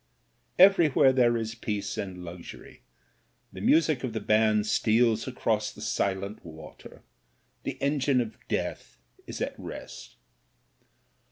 Everywhere there is peace and luxury ; the music of the band steals across the silent water ; the engine of death is at rest.